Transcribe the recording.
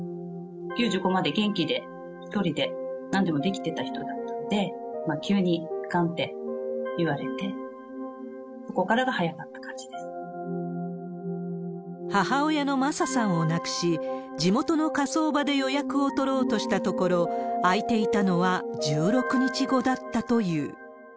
９５まで元気で、１人でなんでもできてた人だったんで、急にがんって言われて、そ母親のまささんを亡くし、地元の火葬場で予約を取ろうとしたところ、空いていたのは１６日後だったという。